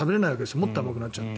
もっと甘くなっちゃって。